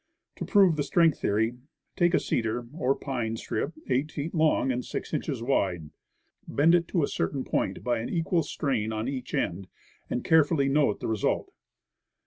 To prove the strength theory, take a cedar (or pine) strip eight feet long and six inches wide. Bend it to a certain point by an equal strain on each end, and carefully note the re sult.